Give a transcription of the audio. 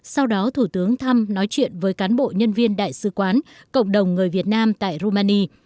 sau đó thủ tướng thăm nói chuyện với cán bộ nhân viên đại sứ quán cộng đồng người việt nam tại rumani